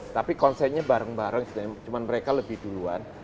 tapi konsennya bareng bareng cuma mereka lebih duluan